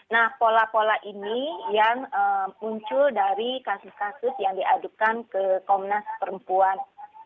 nah pola pola ini yang muncul dari kasus kasus yang diadukan ke komnas perempuan